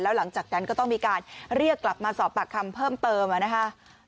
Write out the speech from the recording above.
หลังจากนั้นก็ต้องมีการเรียกกลับมาสอบปากคำเพิ่มเติมนะคะ